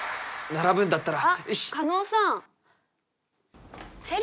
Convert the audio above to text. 並ぶんだったら？